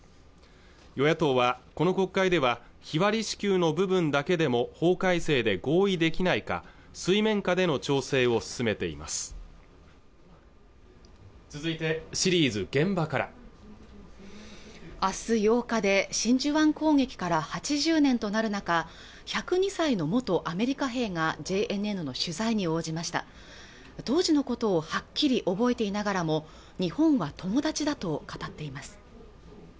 与野党はこの国会では日割り支給の部分だけでも法改正で合意できないか水面下での調整を進めています続いてシリーズ「現場から」明日８日で真珠湾攻撃から８０年となる中１０２歳の元アメリカ兵がＪＮＮの取材に応じました当時のことをはっきり覚えていながらも日本は友達だと語っています